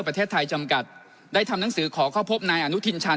ประเทศไทยจำกัดได้ทำหนังสือขอเข้าพบนายอนุทินชัน